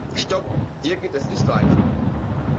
Stop! Hier geht es nicht weiter.